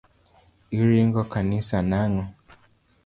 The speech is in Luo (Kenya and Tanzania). Iringo kanisa nang'o?